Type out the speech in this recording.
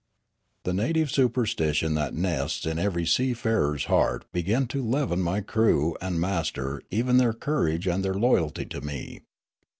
The native superstition that nests in every seafarer's heart began to leaven my crew and master even their 1 8 Riallaro courage and their loyalty to me.